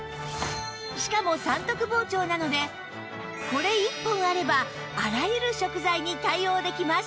しかも三徳包丁なのでこれ１本あればあらゆる食材に対応できます